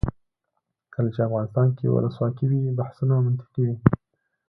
کله چې افغانستان کې ولسواکي وي بحثونه منطقي وي.